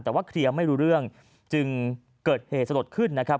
แต่ว่าเคลียร์ไม่รู้เรื่องจึงเกิดเหตุสลดขึ้นนะครับ